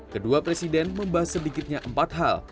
kedua presiden membahas sedikitnya empat hal